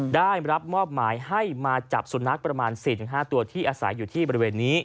ได้รับมอบหมายให้มาจับสุนัขประมาณ๔๕ตัวที่อาศัยอยู่ที่บริเวณนี้